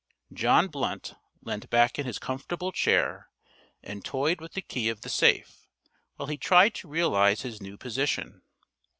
John Blunt leant back in his comfortable chair and toyed with the key of the safe, while he tried to realise his new position.